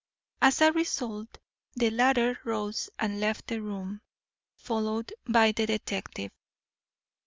As a result, the latter rose and left the room, followed by the detective.